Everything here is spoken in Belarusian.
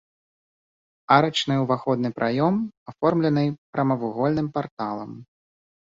Арачны ўваходны праём аформлены прамавугольным парталам.